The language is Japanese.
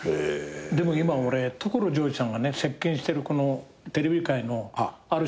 でも俺今所ジョージさんが席巻してるこのテレビ界のある種の軽さ？